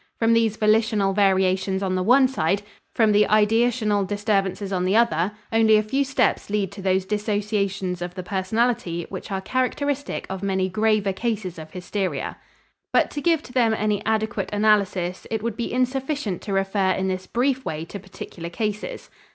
From these volitional variations on the one side, from the ideational disturbances on the other, only a few steps lead to those dissociations of the personality which are characteristic of many graver cases of hysteria. But to give to them any adequate analysis, it would be insufficient to refer in this brief way to particular cases.